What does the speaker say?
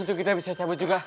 untuk kita bisa cabut juga